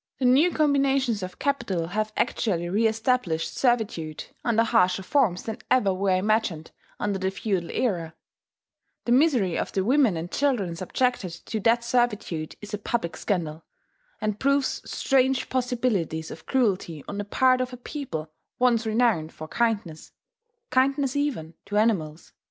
The new combinations of capital have actually reestablished servitude, under harsher forms than ever were imagined under the feudal era; the misery of the women and children subjected to that servitude is a public scandal, and proves strange possibilities of cruelty on the part of a people once renowned for kindness, kindness even to animals.